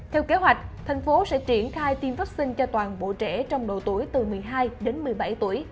theo kế hoạch thành phố sẽ triển khai tiêm vaccine cho toàn bộ trẻ trong độ tuổi từ một mươi hai đến một mươi bảy tuổi